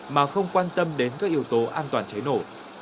mà không quan tâm đến các yếu tố an toàn cháy nổ